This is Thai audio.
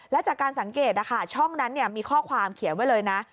และจากการสังเกตนะคะช่องนั้นมีข้อความเขียนไว้เลยนะ